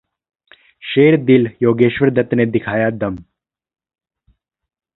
शेर दिल योगेश्वर दत्त ने दिखाया दम